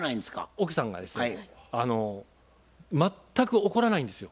奥さんがですね全く怒らないんですよ。